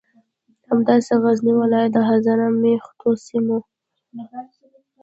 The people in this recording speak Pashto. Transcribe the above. همداسې د غزنی ولایت د هزاره میشتو سیمو